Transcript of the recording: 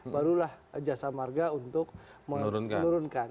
barulah jasa marga untuk menurunkan